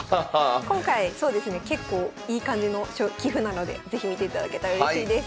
今回そうですね結構いい感じの棋譜なので是非見ていただけたらうれしいです。